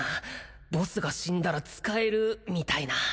ボスが死んだら使えるみたいな